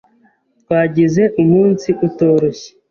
Twagize umunsi utoroshye.